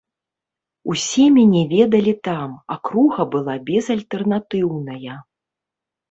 Усе мяне ведалі там, акруга была безальтэрнатыўная.